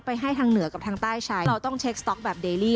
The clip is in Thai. ให้ทางเหนือกับทางใต้ใช้เราต้องเช็คสต๊อกแบบเดรี่